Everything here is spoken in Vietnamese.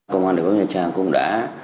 công an thành phố nha trang cũng đã